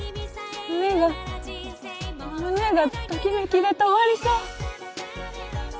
胸が胸がときめきで止まりそう！